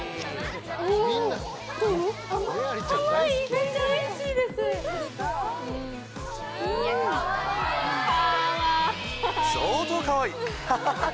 めっちゃおいしいです。相当かわいい！